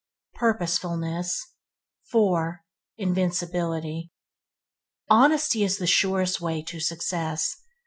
Purposefulness 4. Invincibility Honesty is the surest way to success.